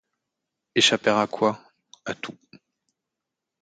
Échapper à quoi? à tout.